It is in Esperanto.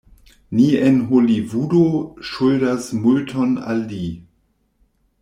Ni en Holivudo ŝuldas multon al li.